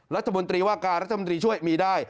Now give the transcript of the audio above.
รัฐมนตรีว่าการรัฐมนตรีช่วยมีได้